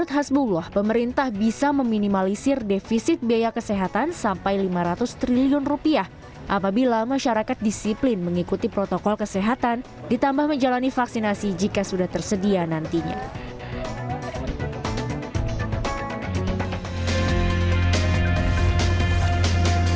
hasbubloh mengatakan biaya vaksinasi yang berkisar antara dua ratus hingga lima ratus ribu juta rupiah